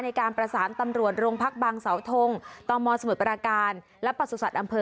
ในการประสานตำรวจโรงพักบางเสาทงตมสมุทรปราการและประสุทธิ์อำเภอ